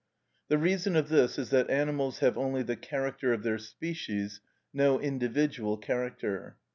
The reason of this is that animals have only the character of their species, no individual character.